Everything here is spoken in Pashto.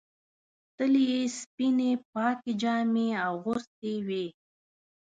تل یې سپینې پاکې جامې اغوستې وې.